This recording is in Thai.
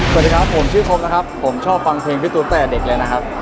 สวัสดีครับผมชื่อคมนะครับผมชอบฟังเพลงพี่ตูนตั้งแต่เด็กเลยนะครับ